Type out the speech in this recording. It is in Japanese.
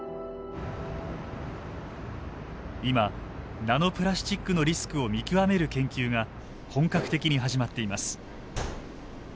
今ナノプラスチックのリスクを見極める研究が本格的に始まっています。